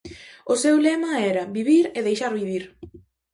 O seu lema era vivir e deixar vivir.